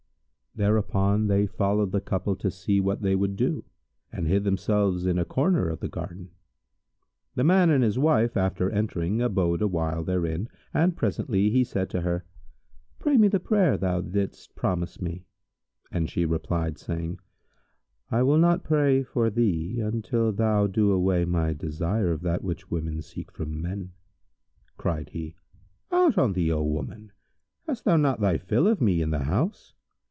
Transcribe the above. Thereupon they followed the couple to see what they would do, and hid themselves in a corner of the garden. The man and his wife after entering abode awhile therein, and presently he said to her, "Pray me the prayer thou didst promise me;" but she replied, saying, "I will not pray for thee, until thou do away my desire of that which women seek from men." Cried he, "Out on thee, O woman! Hast thou not thy fill of me in the house?